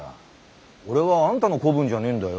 俺はあんたの子分じゃねえんだよ